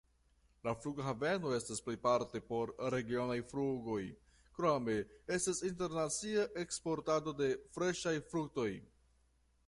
La flughaveno estas plejparte por regionaj flugoj, krome estas internacia eksportado de freŝaj fruktoj.